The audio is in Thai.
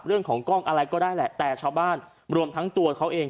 เรื่องของกล้องอะไรก็ได้แหละแต่ชาวบ้านรวมทั้งตัวเขาเอง